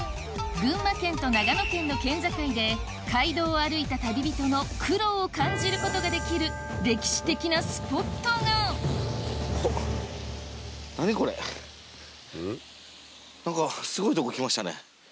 群馬県と長野県の県境で街道を歩いた旅人の苦労を感じることができる歴史的なスポットが何か。